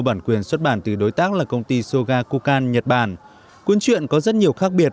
bản quyền xuất bản từ đối tác là công ty soga coukan nhật bản cuốn chuyện có rất nhiều khác biệt